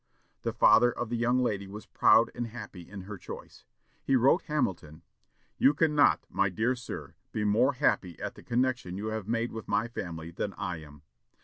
The father of the young lady was proud and happy in her choice. He wrote Hamilton, "You cannot, my dear sir, be more happy at the connection you have made with my family than I am.